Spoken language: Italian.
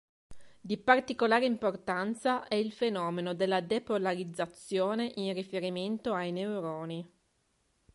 Di particolare importanza è il fenomeno della depolarizzazione in riferimento ai neuroni.